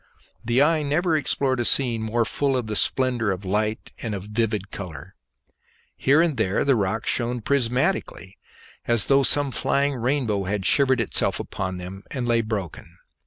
The eye never explored a scene more full of the splendour of light and of vivid colour. Here and there the rocks shone prismatically as though some flying rainbow had shivered itself upon them and lay broken.